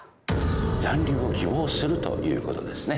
残留を希望するということですね。